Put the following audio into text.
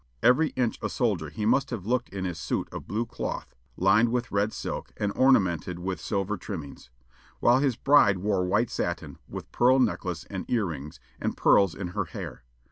Every inch a soldier he must have looked in his suit of blue cloth lined with red silk, and ornamented with silver trimmings; while his bride wore white satin, with pearl necklace and ear rings, and pearls in her hair.